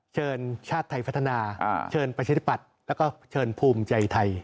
ชาติไทยพัฒนาเชิญประชาธิปัตย์แล้วก็เชิญภูมิใจไทย